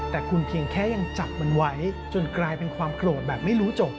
แต่คุณเพียงแค่ยังจับมันไว้จนกลายเป็นความโกรธแบบไม่รู้จบ